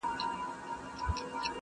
• د ملا مېرمني ونيول غوږونه -